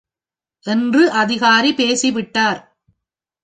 என்று அதிகாரி பேசிவிட்டார்.